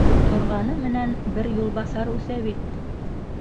Торғаны менән бер юлбаҫар үҫә бит!